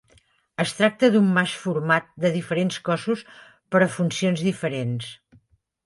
Es tracta d'un mas format de diferents cossos per a funcions diferents.